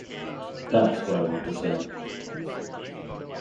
That's what I want to say.